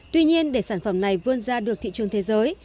tuy nhiên để sản phẩm này vươn ra được thị trường thế giới